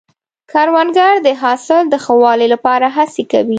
کروندګر د حاصل د ښه والي لپاره هڅې کوي